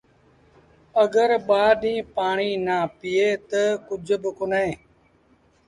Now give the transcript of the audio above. اَگر ٻآ ڏيٚݩهݩ پآڻيٚ نا پيٚئي تا ڪجھ با ڪونهي۔